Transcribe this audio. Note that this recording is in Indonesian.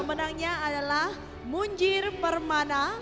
pemenangnya adalah munjir permana